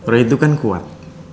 roy itu kan kuat